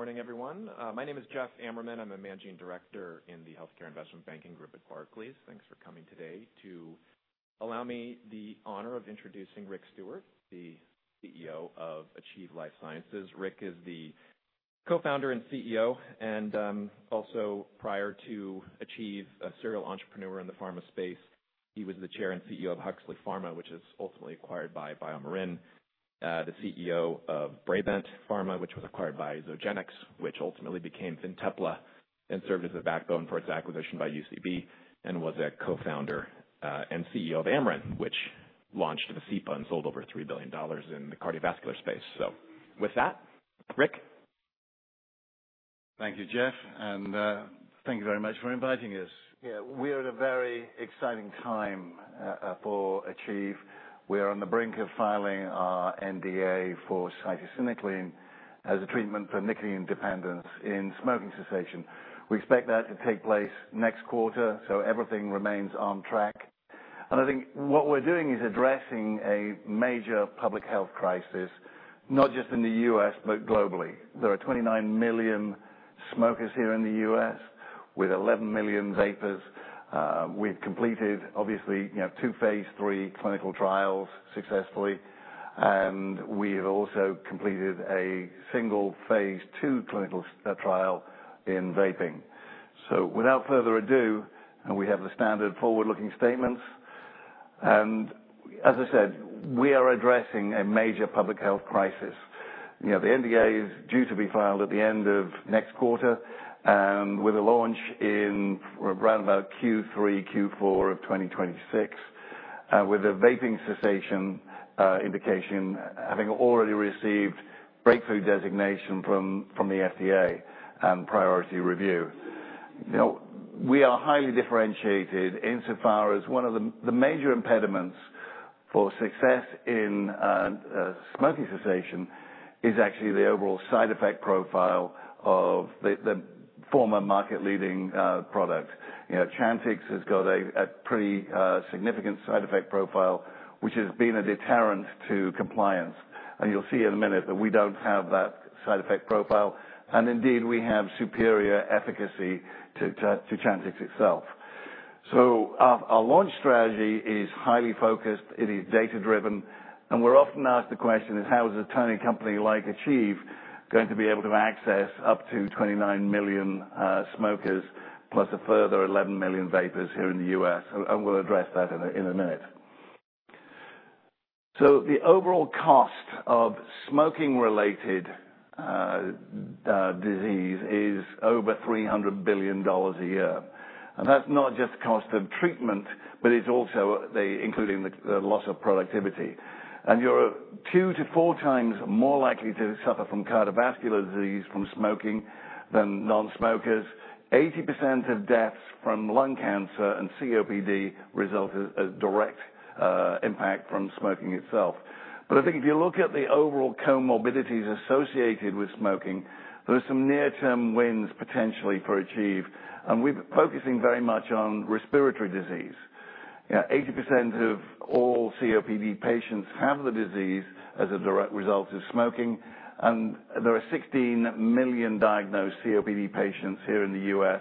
Good morning, everyone. My name is Jeff Amerman. I'm a Managing Director in the Healthcare Investment Banking Group at Barclays. Thanks for coming today to allow me the honor of introducing Rick Stewart, the CEO of Achieve Life Sciences. Rick is the co-founder and CEO, and also prior to Achieve, a serial entrepreneur in the pharma space, he was the chair and CEO of Huxley Pharma, which was ultimately acquired by BioMarin, the CEO of Brabant Pharma, which was acquired by Zogenix, which ultimately became Fintepla and served as the backbone for its acquisition by UCB, and was a co-founder and CEO of Amarin, which launched the Vascepa and sold over $3 billion in the cardiovascular space. With that, Rick. Thank you, Jeff, and thank you very much for inviting us. Yeah, we're at a very exciting time for Achieve. We're on the brink of filing our NDA for cytisinicline as a treatment for nicotine dependence in smoking cessation. We expect that to take place next quarter, so everything remains on track. I think what we're doing is addressing a major public health crisis, not just in the U.S., but globally. There are 29 million smokers here in the U.S., with 11 million vapers. We've completed, obviously, two Phase III clinical trials successfully, and we have also completed a single Phase II clinical trial in vaping. Without further ado, we have the standard forward-looking statements. As I said, we are addressing a major public health crisis. The NDA is due to be filed at the end of next quarter, and with a launch in around about Q3, Q4 of 2026, with a vaping cessation indication, having already received Breakthrough designation from the FDA and priority review. We are highly differentiated insofar as one of the major impediments for success in smoking cessation is actually the overall side effect profile of the former market-leading product. Chantix has got a pretty significant side effect profile, which has been a deterrent to compliance. You'll see in a minute that we don't have that side effect profile. Indeed, we have superior efficacy to Chantix itself. Our launch strategy is highly focused. It is data-driven. We're often asked the question, how is a tiny company like Achieve going to be able to access up to 29 million smokers, plus a further 11 million vapers here in the U.S.? We'll address that in a minute. The overall cost of smoking-related disease is over $300 billion a year. That's not just the cost of treatment, but it's also including the loss of productivity. You're two to four times more likely to suffer from cardiovascular disease from smoking than non-smokers. 80% of deaths from lung cancer and COPD result as direct impact from smoking itself. I think if you look at the overall comorbidities associated with smoking, there are some near-term wins potentially for Achieve. We're focusing very much on respiratory disease. 80% of all COPD patients have the disease as a direct result of smoking. There are 16 million diagnosed COPD patients here in the U.S.,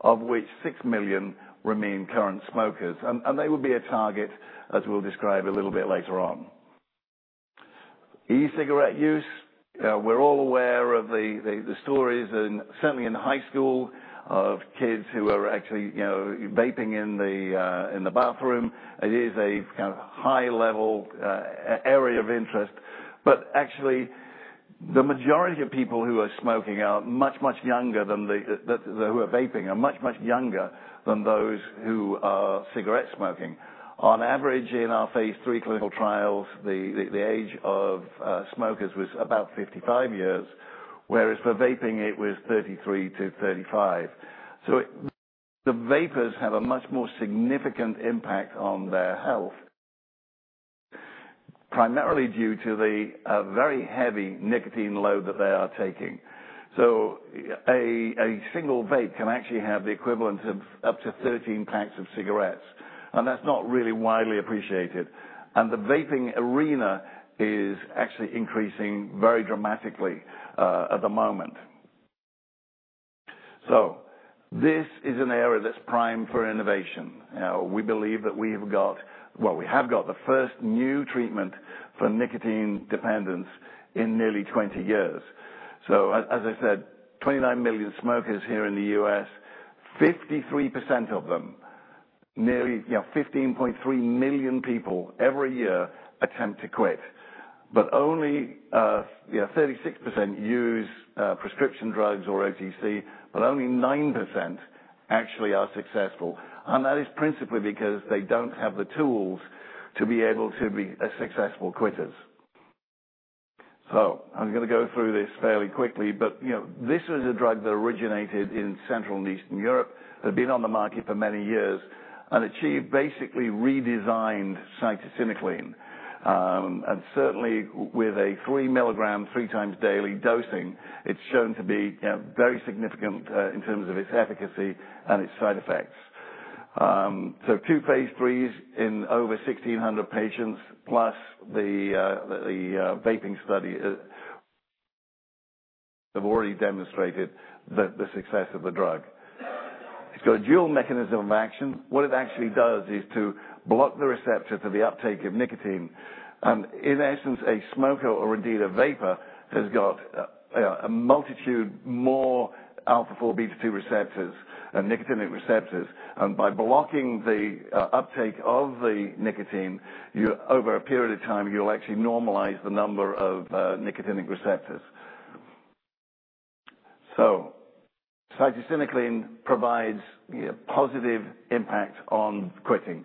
of which 6 million remain current smokers. They will be a target, as we'll describe a little bit later on. E-cigarette use. We're all aware of the stories and certainly in high school of kids who are actually vaping in the bathroom. It is a kind of high-level area of interest. Actually, the majority of people who are vaping are much, much younger than those who are cigarette smoking. On average, in our Phase III clinical trials, the age of smokers was about 55 years, whereas for vaping, it was 33-35. The vapers have a much more significant impact on their health, primarily due to the very heavy nicotine load that they are taking. A single vape can actually have the equivalent of up to 13 packs of cigarettes. That is not really widely appreciated. The vaping arena is actually increasing very dramatically at the moment. This is an area that is primed for innovation. We believe that we have got, well, we have got the first new treatment for nicotine dependence in nearly 20 years. As I said, 29 million smokers here in the U.S., 53% of them, nearly 15.3 million people every year, attempt to quit. Only 36% use prescription drugs or OTC, but only 9% actually are successful. That is principally because they do not have the tools to be able to be successful quitters. I'm going to go through this fairly quickly, but this was a drug that originated in Central and Eastern Europe, had been on the market for many years, and Achieve basically redesigned Cytisinicline. Certainly, with a three milligram, three times daily dosing, it's shown to be very significant in terms of its efficacy and its side effects. Two Phase III in over 1,600 patients, plus the vaping study, have already demonstrated the success of the drug. It's got a dual mechanism of action. What it actually does is to block the receptor for the uptake of nicotine. In essence, a smoker or indeed a vaper has got a multitude more alpha-4 beta2 receptors and nicotinic receptors. By blocking the uptake of the nicotine, over a period of time, you'll actually normalize the number of nicotinic receptors. Cytisinicline provides a positive impact on quitting.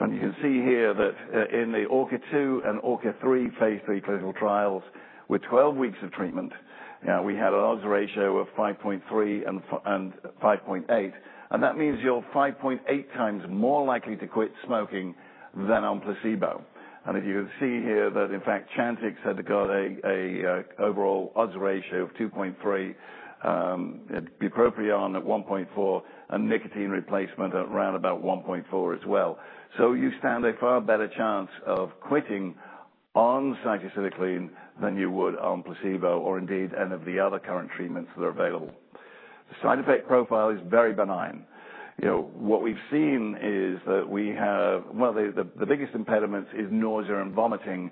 You can see here that in the ORCA-2 and ORCA-3 Phase III clinical trials, with 12 weeks of treatment, we had an odds ratio of 5.3 and 5.8. That means you're 5.8 times more likely to quit smoking than on placebo. You can see here that, in fact, Chantix had got an overall odds ratio of 2.3, bupropion at 1.4, and nicotine replacement at around 1.4 as well. You stand a far better chance of quitting on cytisinicline than you would on placebo or indeed any of the other current treatments that are available. The side effect profile is very benign. What we've seen is that the biggest impediment is nausea and vomiting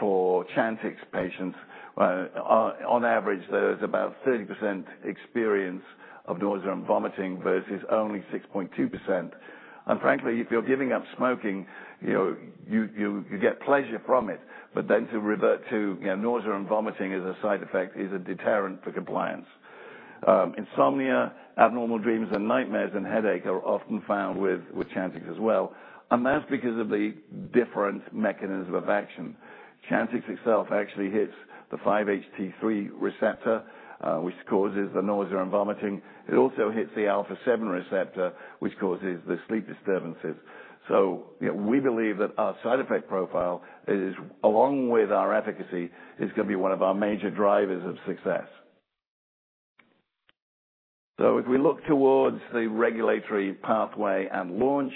for Chantix patients. On average, there is about 30% experience of nausea and vomiting versus only 6.2%. Frankly, if you're giving up smoking, you get pleasure from it. To revert to nausea and vomiting as a side effect is a deterrent for compliance. Insomnia, abnormal dreams and nightmares, and headache are often found with Chantix as well. That is because of the different mechanism of action. Chantix itself actually hits the 5-HT3 receptor, which causes the nausea and vomiting. It also hits the alpha-7 receptor, which causes the sleep disturbances. We believe that our side effect profile, along with our efficacy, is going to be one of our major drivers of success. If we look towards the regulatory pathway and launch,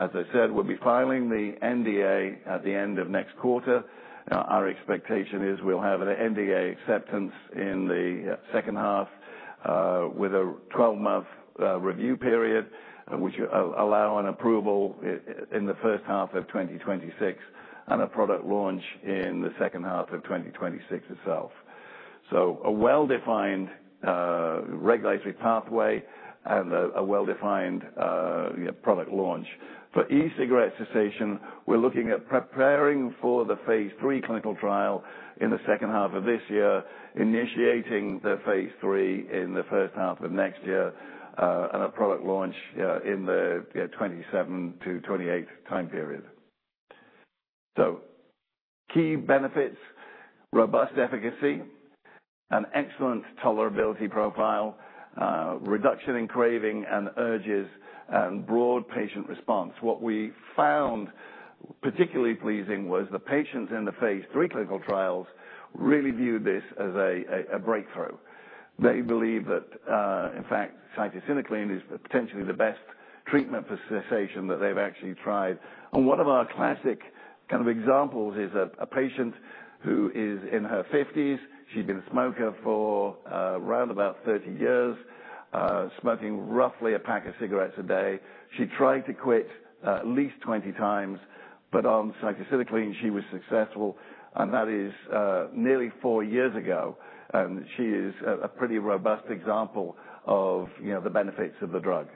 as I said, we'll be filing the NDA at the end of next quarter. Our expectation is we'll have an NDA acceptance in the second half with a 12-month review period, which will allow an approval in the first half of 2026 and a product launch in the second half of 2026 itself. A well-defined regulatory pathway and a well-defined product launch. For e-cigarette cessation, we're looking at preparing for the Phase III clinical trial in the second half of this year, initiating the Phase III in the first half of next year, and a product launch in the 2027-2028 time period. Key benefits, robust efficacy, an excellent tolerability profile, reduction in craving and urges, and broad patient response. What we found particularly pleasing was the patients in the Phase III clinical trials really viewed this as a breakthrough. They believe that, in fact, cytisinicline is potentially the best treatment for cessation that they've actually tried. One of our classic kind of examples is a patient who is in her 50s. She'd been a smoker for around about 30 years, smoking roughly a pack of cigarettes a day. She tried to quit at least 20 times, but on cytisinicline, she was successful. That is nearly four years ago. She is a pretty robust example of the benefits of the drug.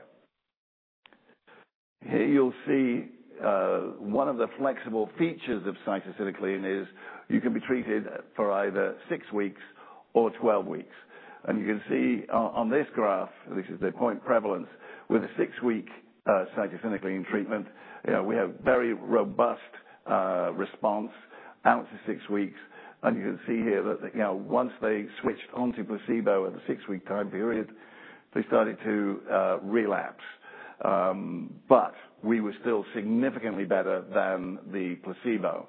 Here you'll see one of the flexible features of cytisinicline is you can be treated for either six weeks or 12 weeks. You can see on this graph, this is the point prevalence. With a six-week cytisinicline treatment, we have very robust response out to six weeks. You can see here that once they switched onto placebo at the six-week time period, they started to relapse. We were still significantly better than the placebo.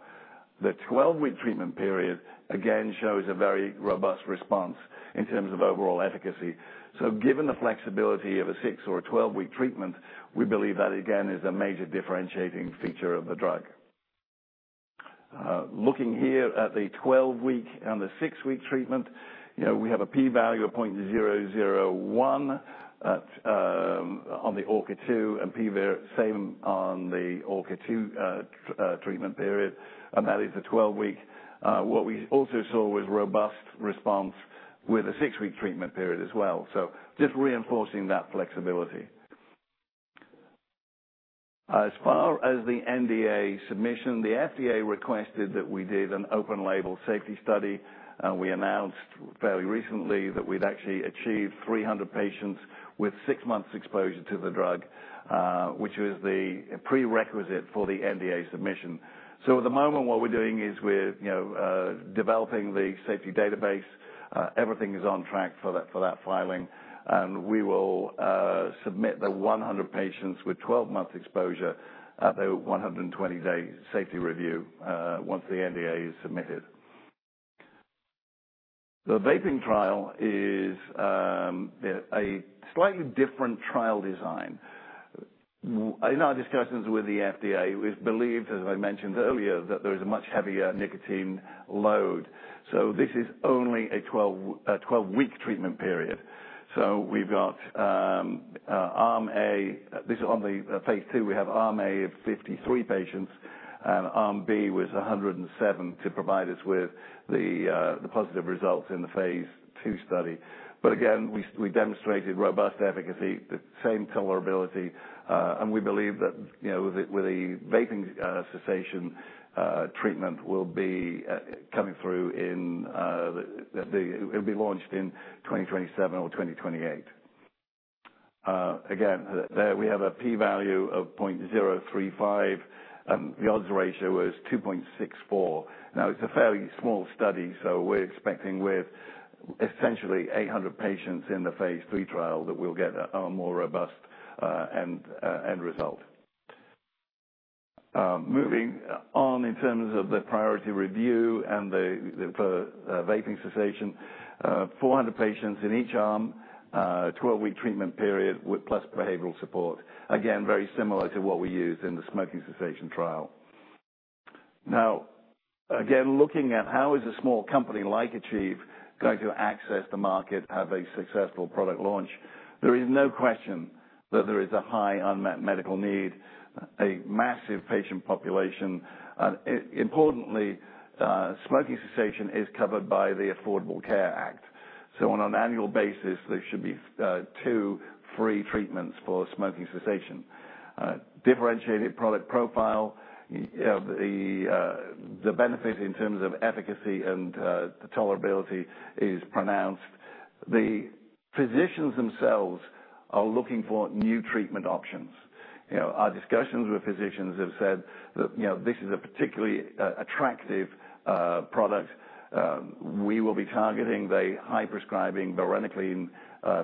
The 12-week treatment period, again, shows a very robust response in terms of overall efficacy. Given the flexibility of a six or a 12-week treatment, we believe that, again, is a major differentiating feature of the drug. Looking here at the 12-week and the six-week treatment, we have a p-value of 0.001 on the ORCA-2 and p-value same on the ORCA-2 treatment period. That is the 12-week. What we also saw was robust response with a six-week treatment period as well, just reinforcing that flexibility. As far as the NDA submission, the FDA requested that we did an open-label safety study. We announced fairly recently that we'd actually achieved 300 patients with six months exposure to the drug, which was the prerequisite for the NDA submission. At the moment, what we're doing is we're developing the safety database. Everything is on track for that filing. We will submit the 100 patients with 12-month exposure at the 120-day safety review once the NDA is submitted. The vaping trial is a slightly different trial design. In our discussions with the FDA, it was believed, as I mentioned earlier, that there was a much heavier nicotine load. This is only a 12-week treatment period. We have arm A—this is on the Phase II. We have arm A of 53 patients. Arm B was 107 to provide us with the positive results in the Phase II study. Again, we demonstrated robust efficacy, the same tolerability. We believe that with the vaping cessation treatment, it will be coming through in—it'll be launched in 2027 or 2028. We have a p-value of 0.035. The odds ratio was 2.64. Now, it's a fairly small study. We're expecting with essentially 800 patients in the Phase III trial that we'll get a more robust end result. Moving on in terms of the priority review and the vaping cessation, 400 patients in each arm, 12-week treatment period with plus behavioral support. Again, very similar to what we used in the smoking cessation trial. Now, again, looking at how is a small company like Achieve going to access the market, have a successful product launch, there is no question that there is a high unmet medical need, a massive patient population. Importantly, smoking cessation is covered by the Affordable Care Act. On an annual basis, there should be two free treatments for smoking cessation. Differentiated product profile, the benefit in terms of efficacy and tolerability is pronounced. The physicians themselves are looking for new treatment options. Our discussions with physicians have said that this is a particularly attractive product. We will be targeting the high-prescribing varenicline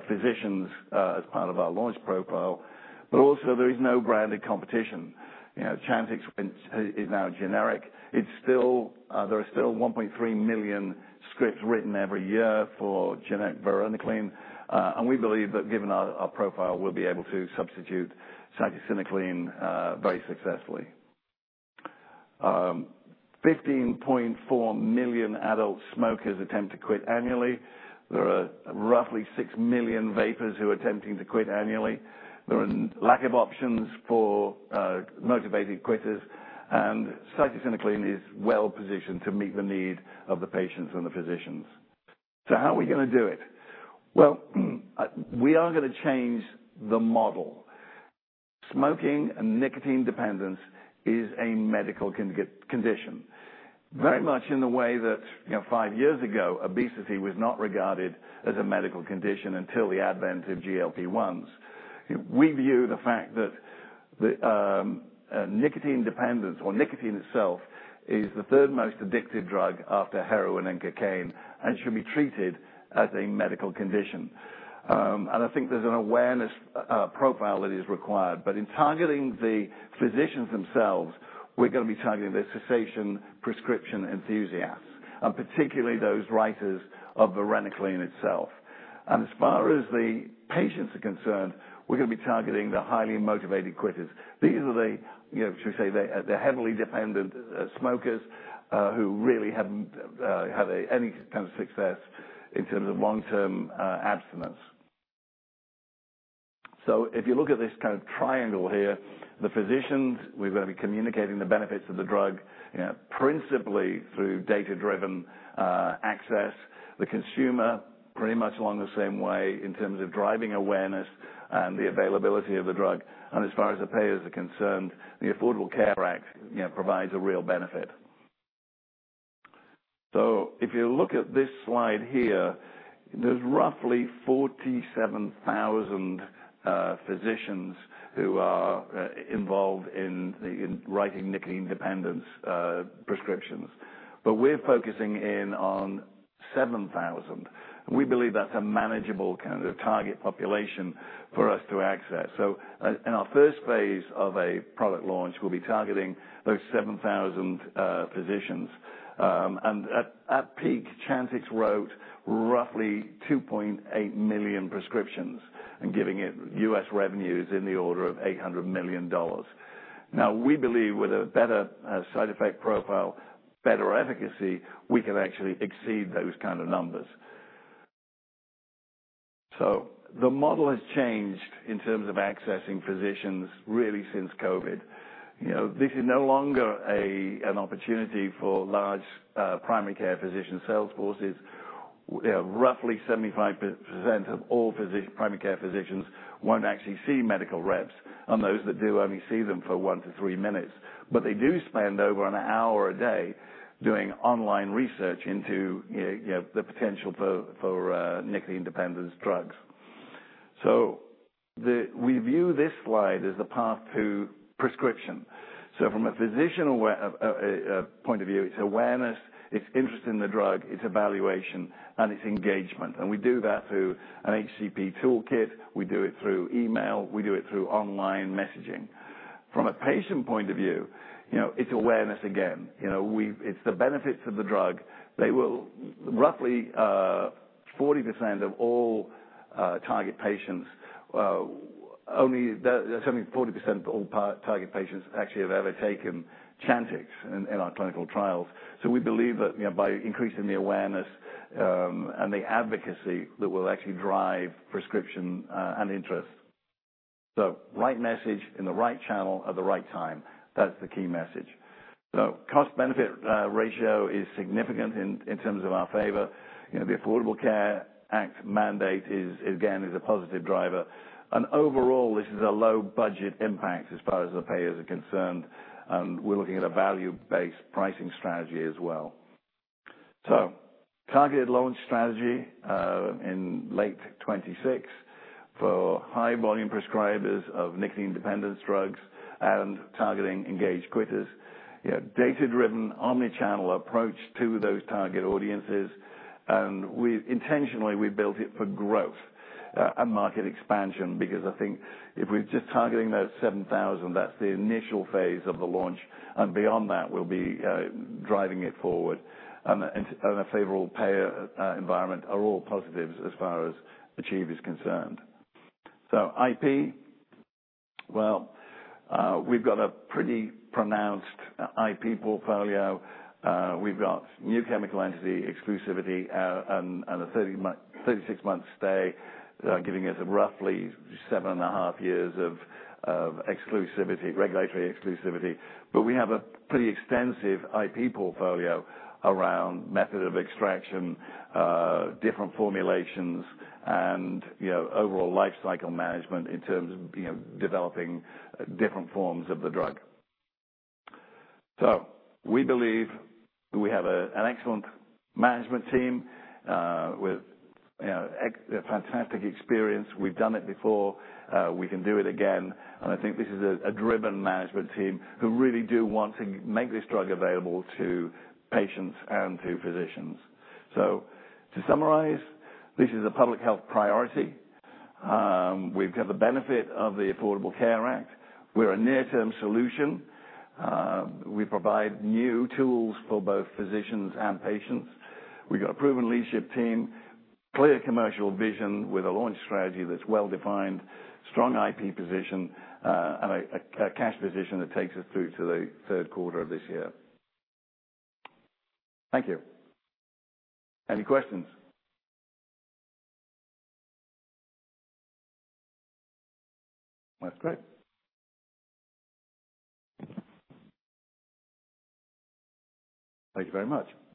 physicians as part of our launch profile. Also, there is no branded competition. Chantix is now generic. There are still 1.3 million scripts written every year for generic varenicline. We believe that given our profile, we'll be able to substitute cytisinicline very successfully. 15.4 million adult smokers attempt to quit annually. There are roughly 6 million vapers who are attempting to quit annually. There are lack of options for motivated quitters. Cytisinicline is well positioned to meet the need of the patients and the physicians. How are we going to do it? We are going to change the model. Smoking and nicotine dependence is a medical condition, very much in the way that five years ago, obesity was not regarded as a medical condition until the advent of GLP-1s. We view the fact that nicotine dependence or nicotine itself is the third most addictive drug after heroin and cocaine and should be treated as a medical condition. I think there's an awareness profile that is required. In targeting the physicians themselves, we're going to be targeting the cessation prescription enthusiasts, and particularly those writers of varenicline itself. As far as the patients are concerned, we're going to be targeting the highly motivated quitters. These are the, shall we say, the heavily dependent smokers who really haven't had any kind of success in terms of long-term abstinence. If you look at this kind of triangle here, the physicians, we're going to be communicating the benefits of the drug principally through data-driven access. The consumer, pretty much along the same way in terms of driving awareness and the availability of the drug. As far as the payers are concerned, the Affordable Care Act provides a real benefit. If you look at this slide here, there's roughly 47,000 physicians who are involved in writing nicotine dependence prescriptions. We're focusing in on 7,000. We believe that's a manageable kind of target population for us to access. In our first phase of a product launch, we'll be targeting those 7,000 physicians. At peak, Chantix wrote roughly 2.8 million prescriptions and giving it U.S. revenues in the order of $800 million. Now, we believe with a better side effect profile, better efficacy, we can actually exceed those kind of numbers. The model has changed in terms of accessing physicians really since COVID. This is no longer an opportunity for large primary care physician sales forces. Roughly 75% of all primary care physicians won't actually see medical reps, and those that do only see them for one to three minutes. They do spend over an hour a day doing online research into the potential for nicotine dependence drugs. We view this slide as the path to prescription. From a physician point of view, it's awareness, it's interest in the drug, it's evaluation, and it's engagement. We do that through an HCP toolkit. We do it through email. We do it through online messaging. From a patient point of view, it's awareness again. It's the benefits of the drug. Roughly 40% of all target patients, only 40% of all target patients actually have ever taken Chantix in our clinical trials. We believe that by increasing the awareness and the advocacy that will actually drive prescription and interest. Right message in the right channel at the right time. That's the key message. Cost-benefit ratio is significant in terms of our favor. The Affordable Care Act mandate, again, is a positive driver. Overall, this is a low-budget impact as far as the payers are concerned. We're looking at a value-based pricing strategy as well. Targeted launch strategy in late 2026 for high-volume prescribers of nicotine dependence drugs and targeting engaged quitters. Data-driven, omnichannel approach to those target audiences. Intentionally, we built it for growth and market expansion because I think if we're just targeting those 7,000, that's the initial phase of the launch. Beyond that, we'll be driving it forward. A favorable payer environment are all positives as far as Achieve is concerned. IP, well, we've got a pretty pronounced IP portfolio. We've got new chemical entity exclusivity and a 36-month stay, giving us roughly seven and a half years of regulatory exclusivity. We have a pretty extensive IP portfolio around method of extraction, different formulations, and overall lifecycle management in terms of developing different forms of the drug. We believe we have an excellent management team with fantastic experience. We've done it before. We can do it again. I think this is a driven management team who really do want to make this drug available to patients and to physicians. To summarize, this is a public health priority. We've got the benefit of the Affordable Care Act. We're a near-term solution. We provide new tools for both physicians and patients. We've got a proven leadership team, clear commercial vision with a launch strategy that's well-defined, strong IP position, and a cash position that takes us through to the third quarter of this year. Thank you. Any questions? That's great. Thank you very much.